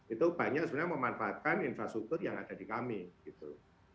itu banyak sebenarnya memanfaatkan infrastruktur yang ada di kami gitu